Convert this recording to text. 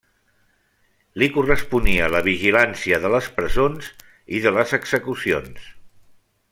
Li corresponia la vigilància de les presons i de les execucions.